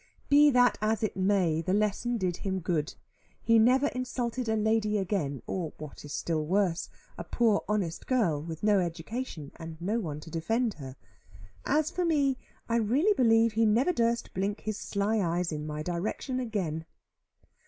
Be that as it may, the lesson did him good. He never insulted a lady again, or (what is still worse) a poor honest girl, with no education, and no one to defend her. As for me, I really believe he never durst blink his sly eyes in my direction again.